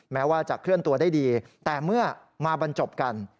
แม้ว่าจะเคลื่อนตัวได้ดีแต่เมื่อมาบรรจบกัน